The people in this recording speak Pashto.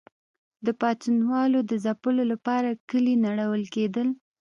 د پاڅونوالو د ځپلو لپاره کلي نړول کېدل.